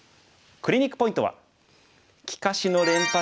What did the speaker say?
クリニックポイントは。